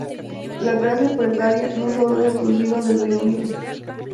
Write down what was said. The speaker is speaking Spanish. La clase precaria no solo es exclusiva del Reino Unido.